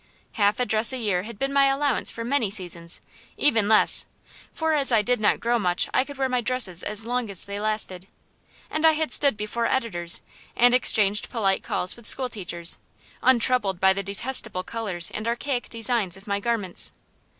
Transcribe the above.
Half a dress a year had been my allowance for many seasons; even less, for as I did not grow much I could wear my dresses as long as they lasted. And I had stood before editors, and exchanged polite calls with school teachers, untroubled by the detestable colors and archaic design of my garments.